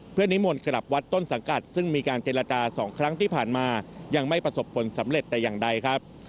เพื่อนิมนต์กลับวัดต้นสังกัดซึ่งมีการเจรจา๒ครั้งที่ผ่านมายังไม่ประสบผลสำเร็จแต่อย่างใดครับ